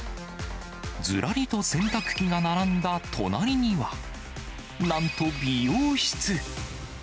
ずらりと洗濯機が並んだ隣には、なんと美容室。